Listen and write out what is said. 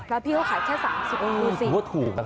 แล้วพี่ก็ขายแค่๓๐๕๐บาท